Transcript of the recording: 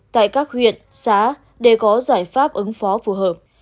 tại các huyện xá để có giải pháp ứng phó phù hợp